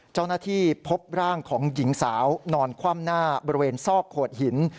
เจ้าหน้าที่พบร่างของหญิงสาวนอนคว่ำหน้าบริเวณซอกโขดหิน